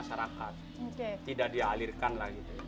masyarakat tidak dialirkan lagi